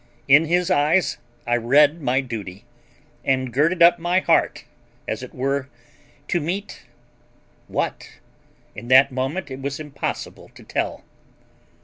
In his eyes I read my duty, and girded up my heart, as it were, to meet—what? In that moment it was impossible to tell.